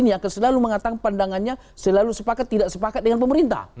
jadi oposisi ini akan selalu mengatakan pandangannya selalu sepakat tidak sepakat dengan pemerintah